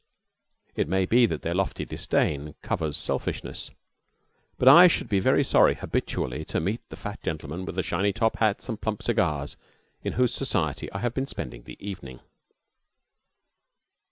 It may be that their lofty disdain covers selfishness, but I should be very sorry habitually to meet the fat gentlemen with shiny top hats and plump cigars in whose society I have been spending the evening.